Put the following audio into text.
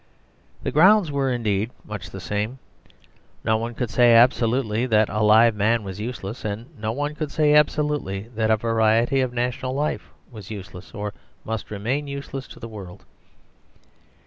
The grounds were indeed much the same; no one could say absolutely that a live man was useless, and no one could say absolutely that a variety of national life was useless or must remain useless to the world.